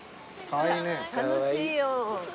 楽しいよ。